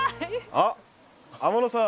あっ天野さん。